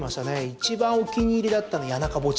一番お気に入りだったのは谷中墓地。